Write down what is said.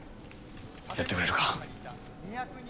やってくれるか？